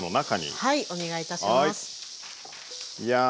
はい。